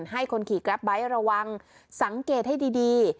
ให้คนขี่กราฟไบท์ระวังสังเกตให้ดี